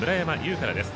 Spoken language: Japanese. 空からです。